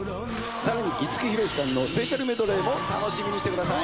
更に五木ひろしさんのスペシャルメドレーも楽しみにしてください。